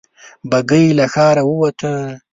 بګۍ له ښاره ووته.